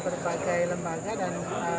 berbagai lembaga dan